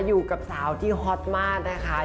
อยู่กับสาวที่ฮอตมากนะคะ